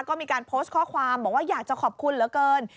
ก็มีการโพสต์ข้อความบอกว่าอยากจะขอบคุณเหลือเกิน